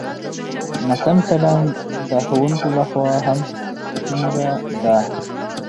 ناسم چلند د ښوونکو له خوا هم ستونزه ده.